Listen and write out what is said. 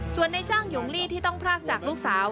ส่วนในจ้างหยงลี่ที่ต้องพรากจากลูกสาว